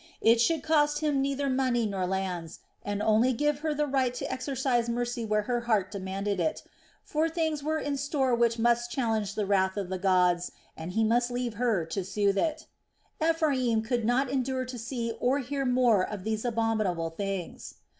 It should cost him neither money nor lands, and only give her the right to exercise mercy where her heart demanded it; for things were in store which must challenge the wrath of the gods and he must leave her to soothe it. Ephraim could not endure to see or hear more of these abominable things.